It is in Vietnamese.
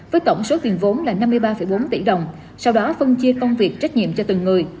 với tổng số tiền vốn là năm mươi ba bốn tỷ đồng sau đó phân chia công việc trách nhiệm cho từng người